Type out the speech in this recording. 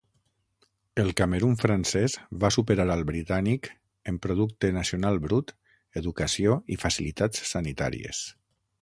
El Camerun francès va superar al britànic en producte nacional brut, educació i facilitats sanitàries.